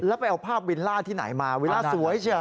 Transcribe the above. แล้วไปเอาภาพวิลล่าที่ไหนมาวิลล่าสวยเชียว